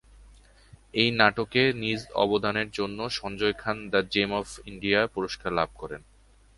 এই নাটকে নিজ অবদানের জন্য, Sanjay Khan the gem of India পুরস্কার লাভ করেন।